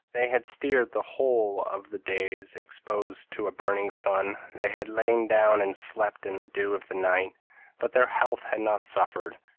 They had steered the whole of the days exposed to a burning sun; they had lain down and slept in the dew of the night; but their health had not suffered.